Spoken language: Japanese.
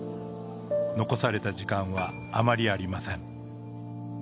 残された時間はあまりありません。